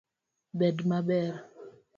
Bed maber